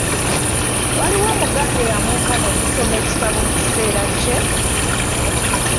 Waliwo Omuganda eyamwenkana okusoma ebitabo mu kiseera kye?